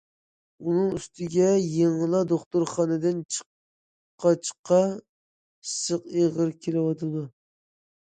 ئۇنىڭ ئۈستىگە يېڭىلا دوختۇرخانىدىن چىققاچقا، ئىسسىق ئېغىر كېلىۋاتىدۇ.